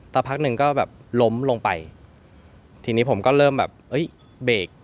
พักหนึ่งก็แบบล้มลงไปทีนี้ผมก็เริ่มแบบเอ้ยเบรก